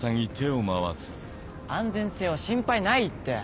安全性は心配ないって。